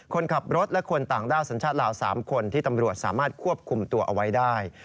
คนขับรถและคนต่างด้าวสัญชาติลาว๓คนที่ตำรวจสามารถควบคุมตัวเอาไว้ได้